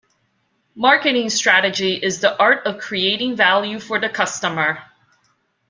Marketing strategy is the art of creating value for the customer.